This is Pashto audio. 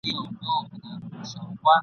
خو اسمان دی موږ ته یو بهار ټاکلی ..